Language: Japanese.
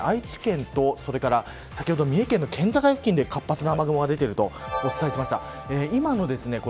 愛知県と三重県の県境付近で活発な雨雲が出てるとお伝えしました。